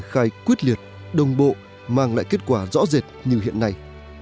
khai quyết liệt đồng bộ mang lại kết quả rõ rệt như hiện nay